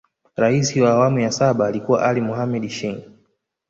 Rais wa awamu ya saba alikuwa Ali Mohamed Shein